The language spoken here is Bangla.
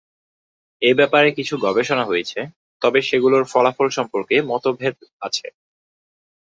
এ ব্যাপারে কিছু গবেষণা হয়েছে, তবে সেগুলোর ফলাফল সম্পর্কে মতভেদ আছে।